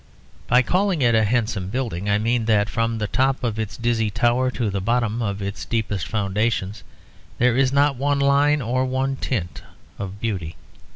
By calling it a handsome building I mean that from the top of its dizzy tower to the bottom of its deepest foundations there is not one line or one tint of beauty.